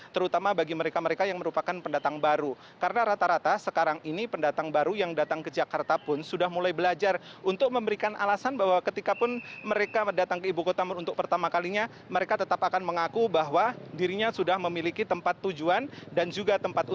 gubernur basuki cahayapurnama juga